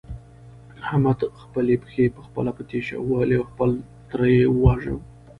احمد خپلې پښې په خپله په تېشه ووهلې او خپل تره يې وواژه.